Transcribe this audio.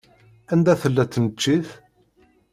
Anda tella tneččit?